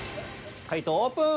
回答オープン。